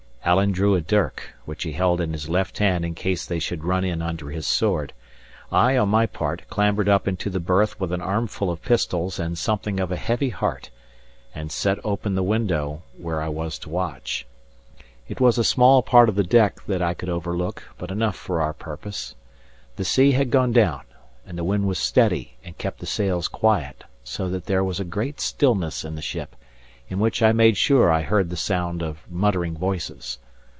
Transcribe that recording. Alan drew a dirk, which he held in his left hand in case they should run in under his sword. I, on my part, clambered up into the berth with an armful of pistols and something of a heavy heart, and set open the window where I was to watch. It was a small part of the deck that I could overlook, but enough for our purpose. The sea had gone down, and the wind was steady and kept the sails quiet; so that there was a great stillness in the ship, in which I made sure I heard the sound of muttering voices.